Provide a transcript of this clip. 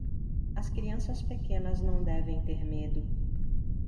As crianças pequenas não devem ter medo.